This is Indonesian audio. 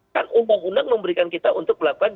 kan undang undang memberikan kita untuk melakukan